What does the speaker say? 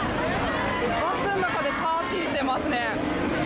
バスの中でパーティーしてますね。